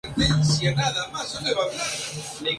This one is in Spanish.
El lema de la compañía es "la imaginación anda.